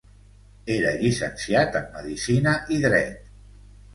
Era llicenciat en Medicina i Dret.